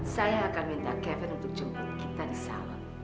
saya akan minta kevin untuk jemput kita di salam